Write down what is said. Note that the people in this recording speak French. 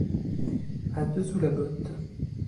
À deux sous la botte!